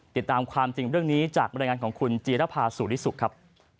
ติดตามความจริงเรื่องนี้จากบรรยายงานของคุณจีรภาสุริสุขครับ